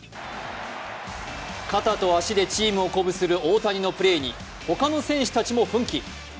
肩と足でチームを鼓舞する大谷のプレーに他の選手たちも奮起。